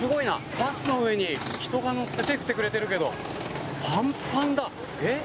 バスの上に人が乗って手、振ってくれてるけどぱんぱんだ。